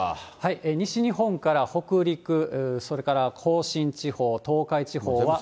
西日本から北陸、それから甲信地方、東海地方は。